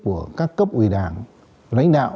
của các cấp ủy đảng lãnh đạo